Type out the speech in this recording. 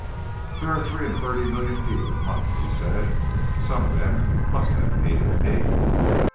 "There are three and thirty million people in London," he said: "some of them must have need of me."